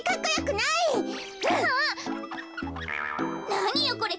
なによこれ。